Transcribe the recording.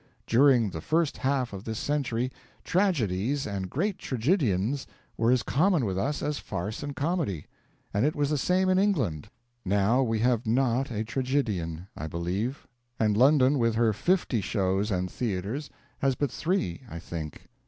During the first half of this century tragedies and great tragedians were as common with us as farce and comedy; and it was the same in England. Now we have not a tragedian, I believe, and London, with her fifty shows and theatres, has but three, I think.